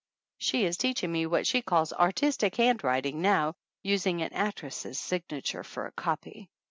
She is teaching me what she calls "ar tistic handwriting" now, using an actress' sig nature for a copy.